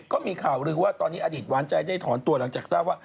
ก็มีข่าวลือว่าตอนนี้อดีตหวานใจได้ถอนตัวหลังจากทราบว่า